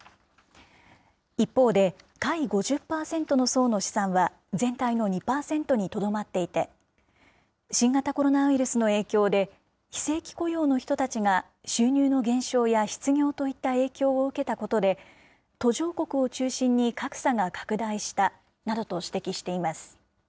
一方で、下位５０％の層の資産は全体の２％にとどまっていて、新型コロナウイルスの影響で、非正規雇用の人たちが収入の減少や失業といった影響を受けたことで、途上国を中心に格差が拡大したなどと指摘しています。